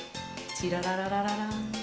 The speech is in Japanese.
チララララララン。